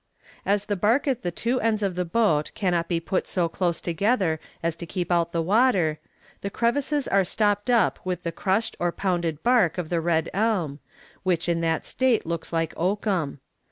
"As the bark at the two ends of the boat cannot be put so close together as to keep out the water, the crevices are stopped up with the crushed or pounded bark of the red elm, which in that state looks like oakum.